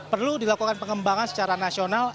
perlu dilakukan pengembangan secara nasional